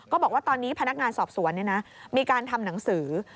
บอกว่าตอนนี้พนักงานสอบสวนมีการทำหนังสือ